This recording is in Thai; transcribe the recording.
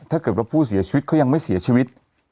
ถ้าเกิดว่าผู้เสียชีวิตเขายังไม่เสียชีวิต